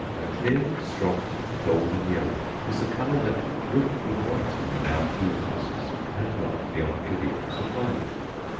A clear, strong, golden yellow is the colour that would have been wanting in our cool houses had not the Oncidium supplied it.